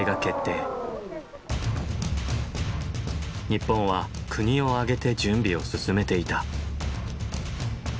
日本は国を挙げて準備を進めていた。